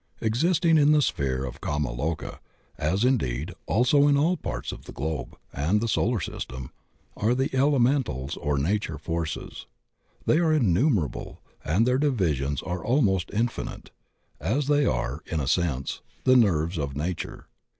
Existing in the sphere of kama loka, as, indeed, also in all parts of the globe and the solar system, are the elementals or nature forces. They are innumerable, and their divisions are almost infinite, as they are, in a sense, the nerves of nature.